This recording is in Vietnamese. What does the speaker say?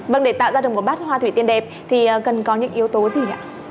vâng để tạo ra được một bát hoa thủy tiên đẹp thì cần có những yếu tố gì ạ